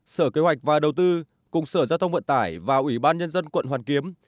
sở kế hoạch và đầu tư cùng sở giao thông vận tải và ủy ban nhân dân quận hoàn kiếm